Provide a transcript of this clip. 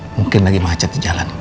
mungkin lagi macet di jalan